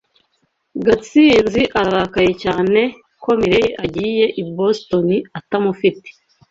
Gatsinzi ararakaye cyane ko Mirelle agiye i Boston atamufite.